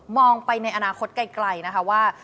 ไปในอนาคตไกลนะคะว่า